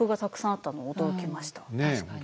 確かに。